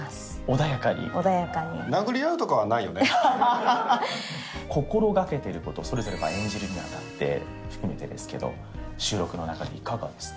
穏やかに心がけてることそれぞれが演じるに当たって含めてですけど収録の中でいかがですか？